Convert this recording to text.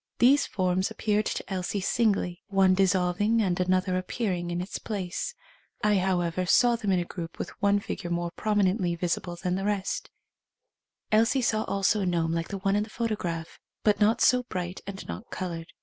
These forms appeared to Elsie singly — one dissolving and another appear ing in its place. I, however, saw them in a group with one figure more prominently vis ible than the rest. Elsie saw also a gnome like the one in the photograph, but not so bright and not coloured.